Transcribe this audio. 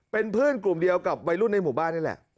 เป็นเพื่อนกลุ่มเดียวกับวัยรุ่นในหมู่บ้านนี่แหละ